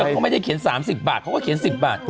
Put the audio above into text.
เขาไม่ได้เขียน๓๐บาทเขาก็เขียน๑๐บาท